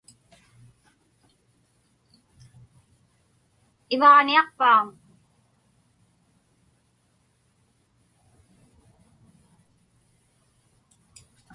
Ivaġniaqpauŋ?